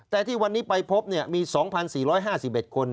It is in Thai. แต่ที่วันนี้ไปพบมี๒๔๕๑คน